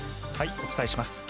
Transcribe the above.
お伝えします。